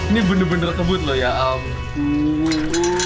ini bener bener kebut loh ya ampun